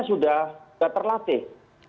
dia sudah terlatih